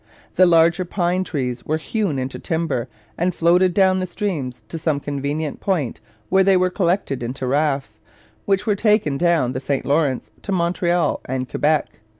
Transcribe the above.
The larger pine trees were hewn into timber and floated down the streams to some convenient point where they were collected into rafts, which were taken down the St Lawrence to Montreal and Quebec.